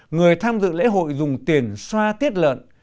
người tham dự lễ hội dùng tiền xoa tiết lợn